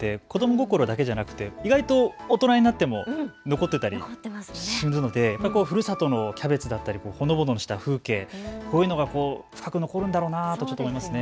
心だけじゃなくて意外と大人になっても残っていたりするのでふるさとのキャベツだったりほのぼのした風景、こういうのが深く残るんだろうなと思います。